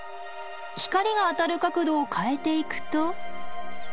光が当たる角度を変えていくと。